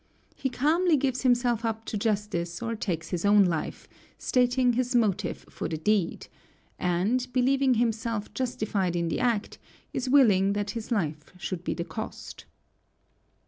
He calmly gives himself up to justice or takes his own life, stating his motive for the deed; and, believing himself justified in the act, is willing that his life should be the cost.